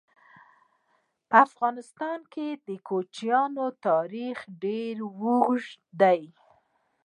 په افغانستان کې د کوچیانو تاریخ ډېر اوږد دی.